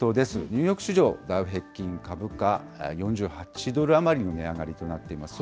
ニューヨーク市場、ダウ平均株価、４８ドル余りの値上がりとなっています。